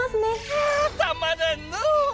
うんたまらんのう！